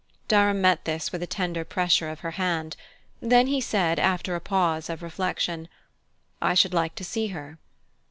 Durham met this with a tender pressure of her hand; then he said, after a pause of reflection: "I should like to see her."